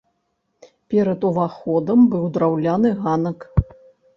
Перад уваходам быў драўляны ганак.